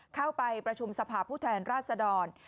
เข้าไปประชุมสภาพผู้แทนราชดร